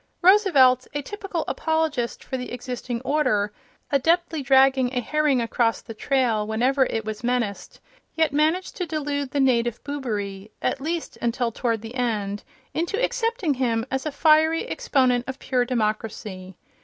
Roosevelt, a typical apologist for the existing order, adeptly dragging a herring across the trail whenever it was menaced, yet managed to delude the native boobery, at least until toward the end, into accepting him as a fiery exponent of pure democ racy.